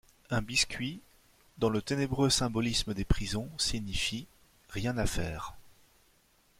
Un biscuit, dans le ténébreux symbolisme des prisons, signifie: rien à faire.